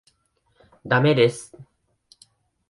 駄目です。